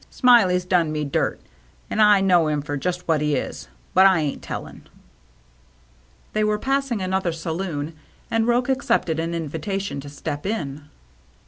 Smiley's done me dirt, an' I know 'im for just what he is, but I ain't tellin'." They were passing another saloon, and Roche accepted an invitation to step in.